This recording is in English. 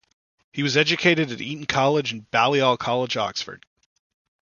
He was educated at Eton College and Balliol College, Oxford.